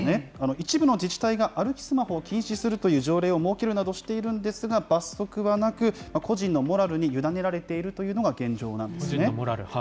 一部の自治体が歩きスマホを禁止するという条例を設けるなどしているんですけれども、罰則はなく、個人のモラルに委ねられていると個人のモラル。